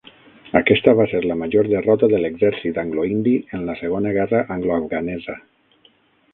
Aquesta va ser la major derrota de l'exèrcit angloindi en la segona guerra angloafganesa.